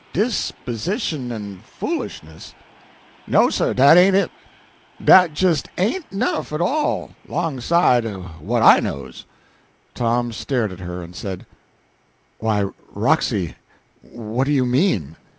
"Disposition en foolishness! No sir, dat ain't it. Dat jist ain't nothin' at all, 'longside o' what I knows." Tom stared at her, and said "Why, Roxy, what do you mean?"